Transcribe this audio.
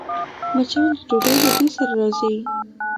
مچان د ډوډۍ له بوی سره راځي